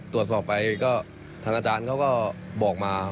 ทางอาจารย์ก็ให้บอกมา